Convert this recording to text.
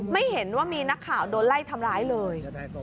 ไม่เห็นว่ามีนักข่าวโดนไล่ทำร้ายเลย